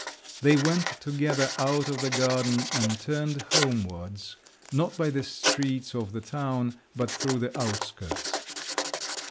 They went together out of the garden and turned homewards, not by the streets of the town, but through the outskirts.